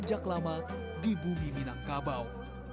sejak lama di bumi minangkabau